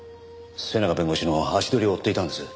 末永弁護士の足取りを追っていたんです。